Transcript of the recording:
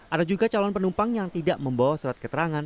ada juga calon penumpang yang tidak membawa surat keterangan